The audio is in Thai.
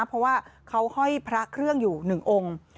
เพราะว่าเขาห้อยพระเครื่องอยู่๑องค์